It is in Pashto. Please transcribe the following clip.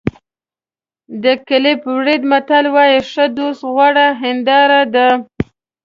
د کېپ ورېډ متل وایي ښه دوست غوره هنداره ده.